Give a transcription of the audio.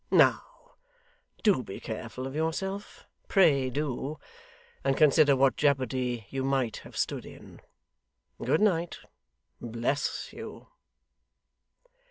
Now do be careful of yourself, pray do, and consider what jeopardy you might have stood in. Good night! bless you!